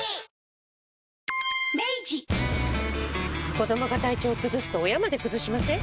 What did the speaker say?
子どもが体調崩すと親まで崩しません？